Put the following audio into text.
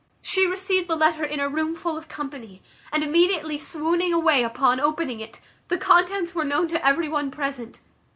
She received the letter in a room full of company, and immediately swooning away upon opening it, the contents were known to every one present.